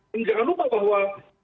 jangan lupa bahwa